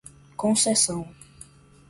concessão